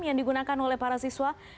yang digunakan oleh para siswa